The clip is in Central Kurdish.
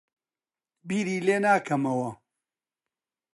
بیری لێ ناکەمەوە.